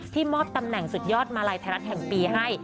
มอบตำแหน่งสุดยอดมาลัยไทยรัฐแห่งปีให้